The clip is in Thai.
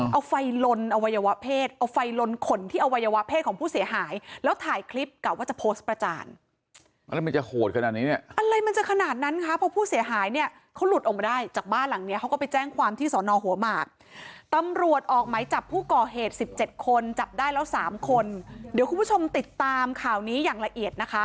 เอาไฟลนอวัยวะเพศเอาไฟลนขนที่อวัยวะเพศของผู้เสียหาย